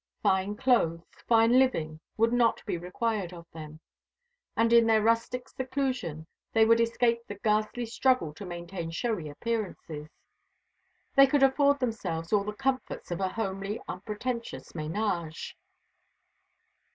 Fine clothes, fine living would not be required of them: and in their rustic seclusion they would escape the ghastly struggle to maintain showy appearances; they could afford themselves all the comforts of a homely unpretentious ménage.